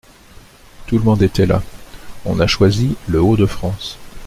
Tout le monde était là. On a choisi Le-Haut-de-France.